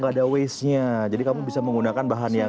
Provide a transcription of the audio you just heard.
gak ada waste nya jadi kamu bisa menggunakan bahan yang